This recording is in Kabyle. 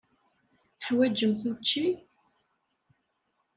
Teḥwaǧemt učči?